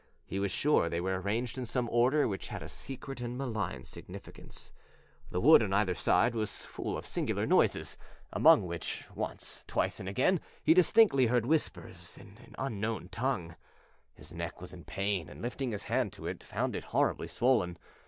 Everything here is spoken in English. He was sure they were arranged in some order which had a secret and malign significance. The wood on either side was full of singular noises, among which once, twice, and again he distinctly heard whispers in an unknown tongue. His neck was in pain and lifting his hand to it he found it horribly swollen.